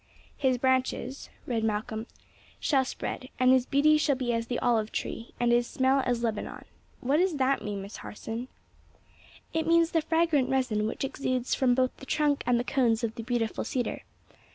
"'His branches,'" read Malcolm, "'shall spread, and his beauty shall be as the olive tree, and his smell as Lebanon.' What does that mean, Miss Harson?" "It means the fragrant resin which exudes from both the trunk and the cones of the beautiful cedar.